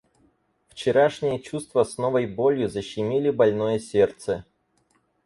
Вчерашние чувства с новой болью защемили больное сердце.